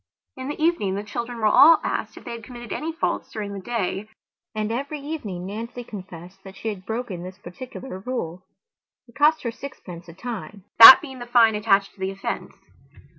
In the evening the children were all asked if they had committed any faults during the day, and every evening Nancy confessed that she had broken this particular rule. It cost her sixpence a time, that being the fine attached to the offence.